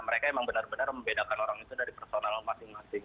mereka memang benar benar membedakan orang itu dari personal masing masing